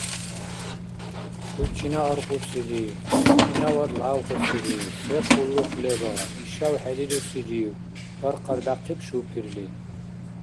— ХӀу чина аркьусири? Чинавад лявкьусири? Се къуллукъ леба? Ишав хӀерирусирив? — хьар-хъардяхъиб шупирли.